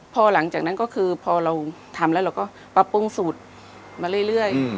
พอหลังจากนั้นก็คือพอเราทำแล้วเราก็ปรับปรุงสูตรมาเรื่อย